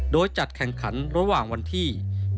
โดยจัดแข่งขันระหว่างวันที่